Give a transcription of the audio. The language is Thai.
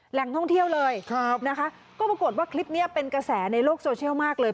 แหล่งท่องเที่ยวเลยนะคะก็ปรากฏว่าคลิปนี้เป็นกระแสในโลกโซเชียลมากเลย